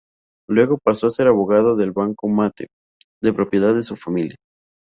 Luego pasó a ser el abogado del Banco Matte, de propiedad de su familia.